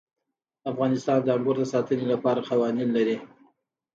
افغانستان د انګور د ساتنې لپاره قوانین لري.